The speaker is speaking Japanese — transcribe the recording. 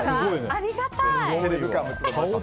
ありがたい！